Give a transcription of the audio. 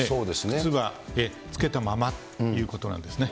靴はつけたままっていうことなんですね。